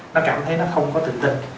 nó cảm thấy nó không có tự tin